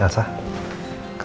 terima kasih pak